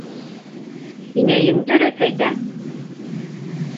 Инәйең дөрөҫ әйтә.